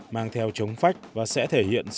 mang theo chống phách và sẽ thể hiện